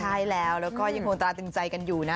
ใช่แล้วแล้วก็ยังคงตราตึงใจกันอยู่นะ